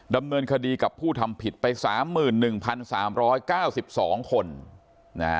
ดำเนินคดีกับผู้ทำผิดไป๓๑๓๙๒คนนะฮะ